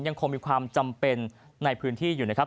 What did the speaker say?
ยังคงมีความจำเป็นในพื้นที่อยู่นะครับ